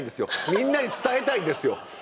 みんなに伝えたいんですよ。